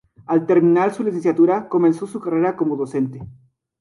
Al terminar su licenciatura comenzó su carrera como docente.